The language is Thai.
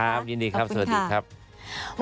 ครับยินดีครับสวัสดีครับขอบคุณค่ะ